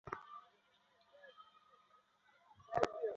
বেশ করেছি বলে আপনাকে বাহবা দিবি।